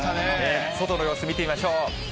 外の様子、見てみましょう。